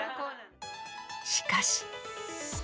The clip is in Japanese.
しかし。